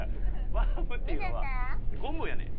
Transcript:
ワームっていうのはゴムやねん。